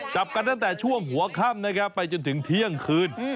จับกันตั้งแต่ช่วงหัวค่ำนะครับไปจนถึงเที่ยงคืน